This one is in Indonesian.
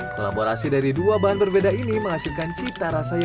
kolaborasi dari dua bahan berbeda ini menghasilkan cita rasa yang berbeda